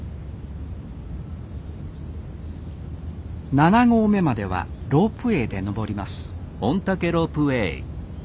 七合目まではロープウェイで登ります